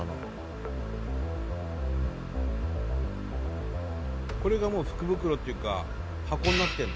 伊達：これが福袋っていうか箱になってるんだ。